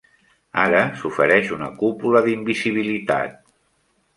Ara s'ofereix una cúpula d'invisibilitat.